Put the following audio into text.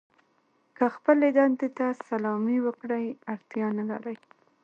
که خپلې دندې ته سلامي وکړئ اړتیا نه لرئ.